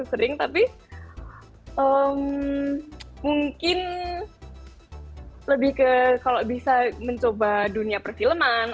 sering tapi mungkin lebih ke kalau bisa mencoba dunia perfilman